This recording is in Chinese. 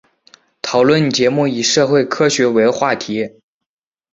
讨论节目以社会科学为话题。